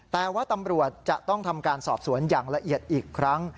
แต่ว่าตำรวจจะต้องทำการสอบสวนอย่างละเอียดอีกครั้ง